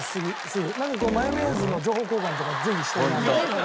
マヨネーズの情報交換とかぜひしたいなと。